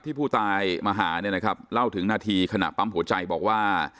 ผู้ตายมาหาเนี่ยนะครับเล่าถึงนาทีขณะปั๊มหัวใจบอกว่า